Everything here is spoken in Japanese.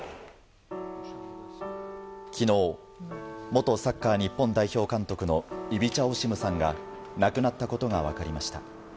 昨日元サッカー日本代表監督のイビチャ・オシムさんが亡くなったことが分かりました。